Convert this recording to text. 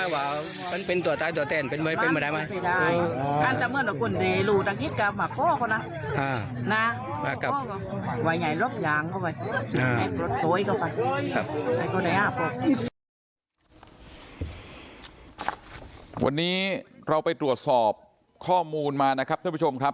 วันนี้เราไปตรวจสอบข้อมูลมานะครับท่านผู้ชมครับ